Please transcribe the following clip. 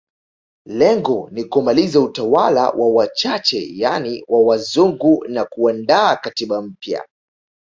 Lengo ni kumaliza utawala wa wachache yani wa wazungu na kuandaa katiba mpya